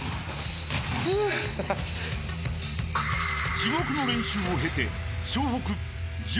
［地獄の練習を経て］